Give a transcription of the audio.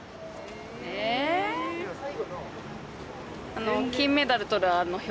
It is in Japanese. えっあの金メダルとる